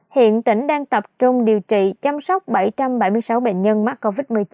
hiện tỉnh đang tập trung điều trị chăm sóc bảy trăm bảy mươi sáu bệnh nhân mắc covid một mươi chín